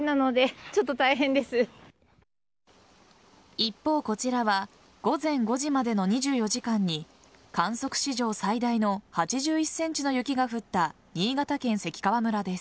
一方、こちらは午前５時までの２４時間に観測史上最大の８１ｃｍの雪が降った新潟県関川村です。